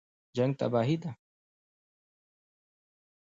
جنګ تباهي ده